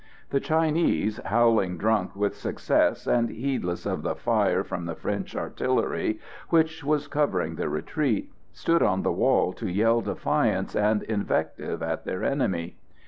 The Chinese, howling drunk with success, and heedless of the fire from the French artillery, which was covering the retreat, stood on the wall to yell defiance and invective at their enemy.